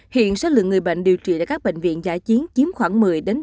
hiện số lượng người bệnh điều trị tại các bệnh viện giải chiến chiếm khoảng một mươi ba mươi